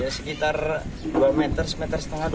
ya sekitar dua meter satu meter setengah